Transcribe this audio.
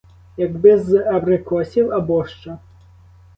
Якби з абрикосів, абощо.